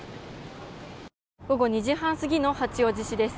午後２時半過ぎの八王子市です。